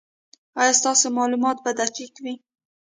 ایا ستاسو معلومات به دقیق وي؟